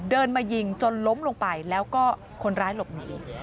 เดินมายิงจนล้มลงไปแล้วก็คนร้ายหลบหนี